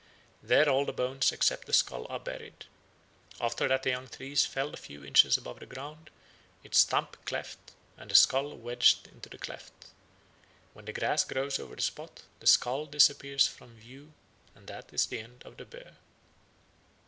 There all the bones except the skull are buried. After that a young tree is felled a few inches above the ground, its stump cleft, and the skull wedged into the cleft. When the grass grows over the spot, the skull disappears from view, and that is the end of the bear.